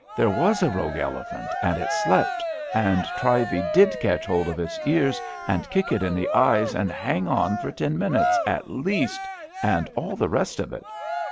There was a rogue elephant, and it slept, and Trivey did catch hold of its ears and kick it in the eyes, and hang on for ten minutes, at least, and all the rest of it.